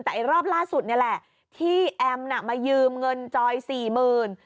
แต่ไอ้รอบล่าสุดนี่แหละที่แอมน่ะมายืมเงินจอยสี่หมื่น